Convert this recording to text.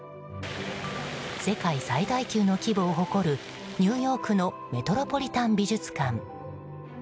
世界最大級の規模を誇るニューヨークのメトロポリタン美術館。